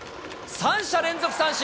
三者連続三振。